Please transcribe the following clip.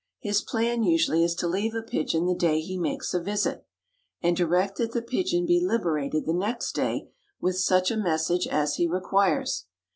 His plan usually is to leave a pigeon the day he makes a visit, and direct that the pigeon be liberated the next day with such a message as he requires.